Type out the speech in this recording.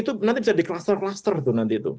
itu nanti bisa dikluster kluster tuh nanti itu